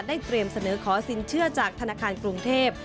เตรียมเสนอขอสินเชื่อจากธนาคารกรุงเทพ